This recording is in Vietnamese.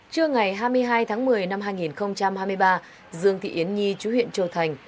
trưa ngày hai mươi hai tháng một mươi năm hai nghìn hai mươi ba dương thị yến nhi chú huyện châu thành